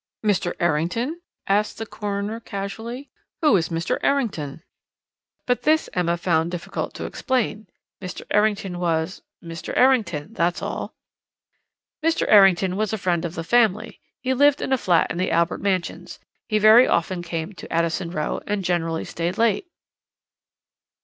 "'Mr. Errington?' asked the coroner casually. 'Who is Mr. Errington?' "But this Emma found difficult to explain. Mr. Errington was Mr. Errington, that's all. "'Mr. Errington was a friend of the family. He lived in a flat in the Albert Mansions. He very often came to Addison Row, and generally stayed late.'